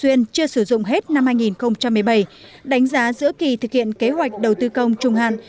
xuyên chưa sử dụng hết năm hai nghìn một mươi bảy đánh giá giữa kỳ thực hiện kế hoạch đầu tư công trung hạn